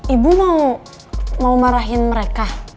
ibu mau marahin mereka